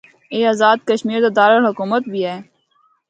اے آزاد کشمیر دا دارالحکومت بھی ہے۔